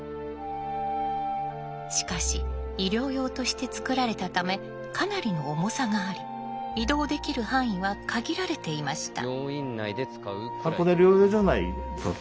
しかし医療用として作られたためかなりの重さがあり移動できる範囲は限られていました。